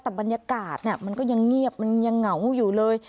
แต่บรรยากาศมันก็ยังเงียบมันยังเหงาอยู่เลย